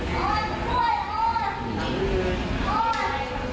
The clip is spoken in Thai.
โดยไม่รับรับภาพก็สำคัญครับ